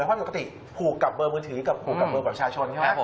ปกติผูกกับเบอร์มือถือกับผูกกับเบอร์ประชาชน